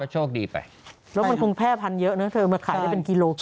มันกินได้กินนิดดีล่ะแม่